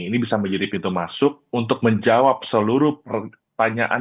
ini bisa menjadi pintu masuk untuk menjawab seluruh pertanyaan